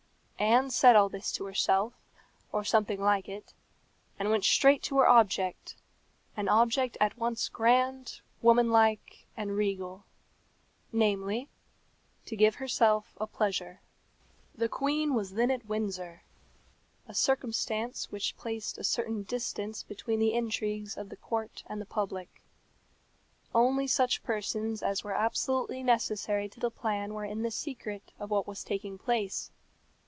Anne said all this to herself, or something like it, and went straight to her object, an object at once grand, womanlike, and regal namely, to give herself a pleasure. The queen was then at Windsor a circumstance which placed a certain distance between the intrigues of the court and the public. Only such persons as were absolutely necessary to the plan were in the secret of what was taking place.